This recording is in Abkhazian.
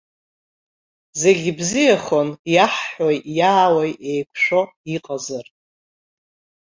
Зегь бзиахон, иаҳҳәои иаауеи еиқәшәо иҟазар!